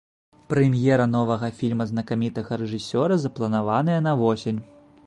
Прэм'ера новага фільма знакамітага рэжысёра запланаваная на восень.